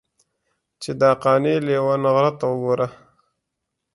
چې دا قانع لېونغرته وګوره.